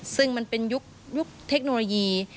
ซึ่งมันเป็นยุคเทคโนโลยี